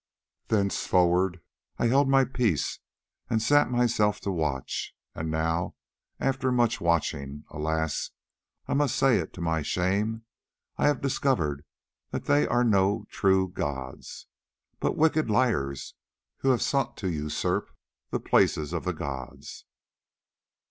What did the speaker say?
Thenceforward I held my peace, and set myself to watch, and now after much watching—alas! I must say it to my shame—I have discovered that they are no true gods, but wicked liars who have sought to usurp the places of the gods."